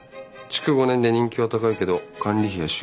築５年で人気は高いけど管理費や修繕